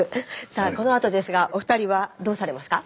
さあこのあとですがお二人はどうされますか？